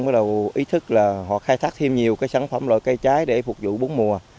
bắt đầu ý thức là họ khai thác thêm nhiều cái sản phẩm loại cây trái để phục vụ bốn mùa